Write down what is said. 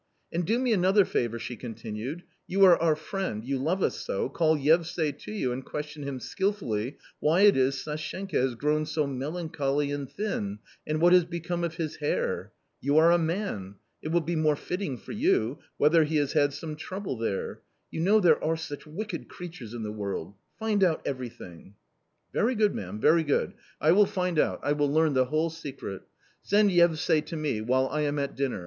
" And do me another favour," she continued ;" you are our friend, you love us so, call Yevsay to you and question him skilfully why it is Sashenka has grown so melancholy and thin and what has become of his hair ? You are a man ; it will be more fitting for you .... whether he has had some trouble there. You know there are such wicked creatures in the world .... find out everything." " Very good, ma'am, very good : I will find out, I will A COMMON STORY 249 learn the whole secret. Send Yevsay to me, while I am at dinner